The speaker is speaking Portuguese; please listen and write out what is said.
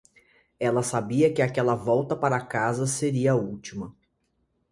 Ela sabia que aquela volta para casa seria a última.